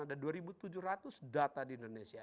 ada dua tujuh ratus data di indonesia